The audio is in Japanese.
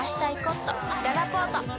ららぽーと